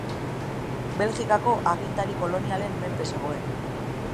Belgikako agintari kolonialen menpe zegoen.